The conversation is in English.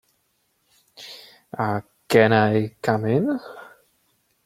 Can I come in?